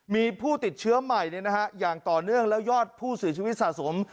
มีผู้ติดเชื้อใหม่อย่างต่อเนื่องแล้วยอดผู้เสียชีวิตสะสม